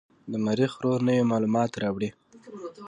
د مریخ روور نوې معلومات راوړي.